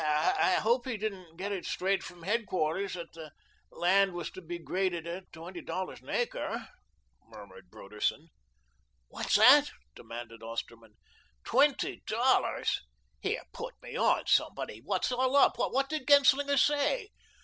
"I hope he didn't get it straight from headquarters that the land was to be graded at twenty dollars an acre," murmured Broderson. "What's that?" demanded Osterman. "Twenty dollars! Here, put me on, somebody. What's all up? What did Genslinger say?"